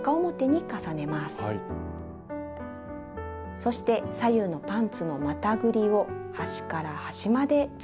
そして左右のパンツのまたぐりを端から端まで続けて縫います。